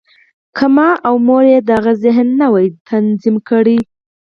که ما او مور یې د هغه ذهن نه وای تنظیم کړی